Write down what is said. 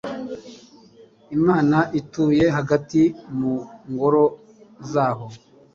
imana ituye hagati mu ngoro zaho